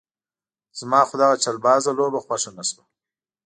زما خو دغه چلبازه لوبه خوښه نه شوه.